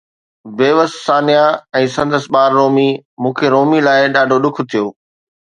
بيوس ثانيه ۽ سندس ٻار رومي، مون کي رومي لاءِ ڏاڍو ڏک ٿيو